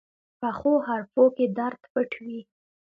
پخو حرفو کې درد پټ وي